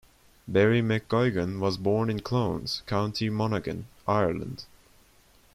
Barry McGuigan was born in Clones, County Monaghan, Ireland.